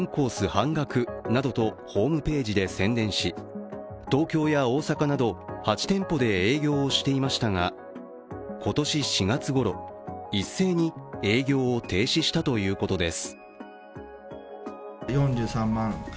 半額などとホームページで宣伝し、東京や大阪など８店舗で営業をしていましたが今年４月ごろ、一斉に営業を停止したということです。